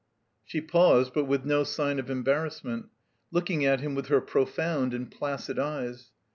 She paused, but with no sign of embarrassment; looking at him with her profoimd and placid eyes.